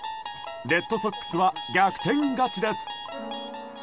レッドソックスは逆転勝ちです。